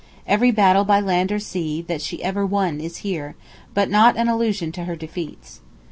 Every battle by land or sea, that she ever won, is here; but not an allusion to her defeats.